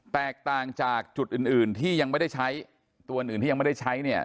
แตกต่างจากจุดอื่นอื่นที่ยังไม่ได้ใช้ตัวอื่นที่ยังไม่ได้ใช้เนี่ย